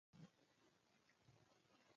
توریزم باید څنګه وده وکړي؟